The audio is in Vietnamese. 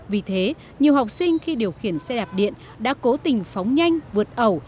vì thế nhiều học sinh khi điều khiển xe đạp điện đã cố tình phóng nhanh vượt ẩu